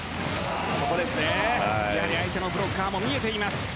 相手のブロッカーも見えています。